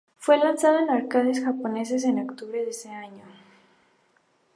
Fue lanzado en arcades japonesas en octubre de ese año.